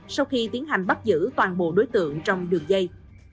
sau khi tiến hành bắt giữ toàn bộ đối tượng trong đường dây